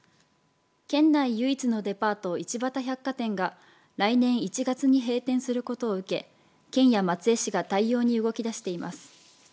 県内唯一のデパート一畑百貨店が来年１月に閉店することを受け県や松江市が対応に動き出しています。